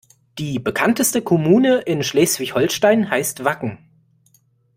Die bekannteste Kommune in Schleswig-Holstein heißt Wacken.